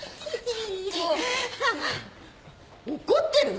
怒ってる？